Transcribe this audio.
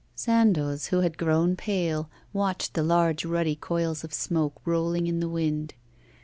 Sandoz, who had grown pale, watched the large ruddy coils of smoke rolling in the wind.